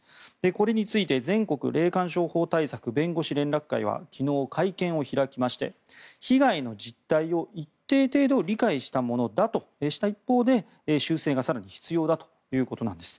これについて全国霊感商法対策弁護士連絡会は昨日、会見を開きまして被害の実態を一定程度理解したものだとした一方で修正が更に必要だということです。